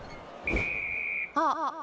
あっ！